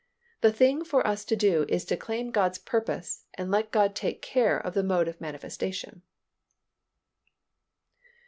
The thing for us to do is to claim God's promise and let God take care of the mode of manifestation.